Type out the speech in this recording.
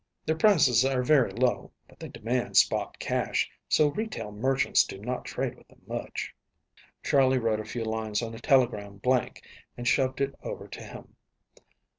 "Their prices are very low, but they demand spot cash, so retail merchants do not trade with them much." Charley wrote a few lines on a telegram blank and shoved it over to him.